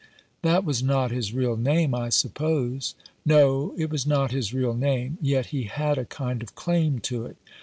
" That was not his real name, I suppose ?" "No, it was not his real name — yet he had a kind of claim to it.